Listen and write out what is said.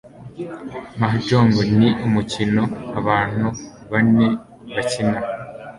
Mahjong ni umukino abantu bane bakina.